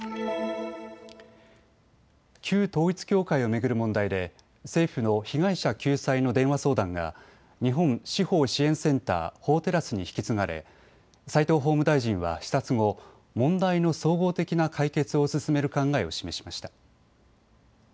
旧統一教会を巡る問題で政府の被害者救済の電話相談が日本司法支援センター、法テラスに引き継がれ齋藤法務大臣は視察後、問題の総合的な解決を進める考えを示しました。